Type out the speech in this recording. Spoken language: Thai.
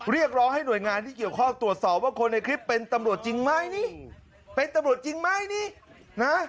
เรียกร้องให้หน่วยงานที่เกี่ยวข้องตรวจสอบว่าคนในคลิปเป็นตำรวจจริงไหมนี่เป็นตำรวจจริงไหมนี่นะ